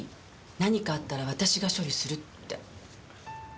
何かあったら私が処理するって。